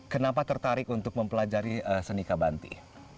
kenapa tertarik untuk mempelajari seni kabanti